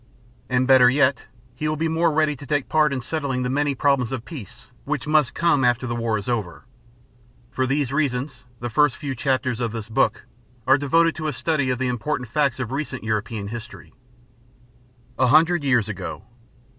And better yet, he will be more ready to take part in settling the many problems of peace which must come after the war is over. For these reasons, the first few chapters of this book are devoted to a study of the important facts of recent European history. [Illustration: EUROPE IN 1913] A HUNDRED YEARS AGO.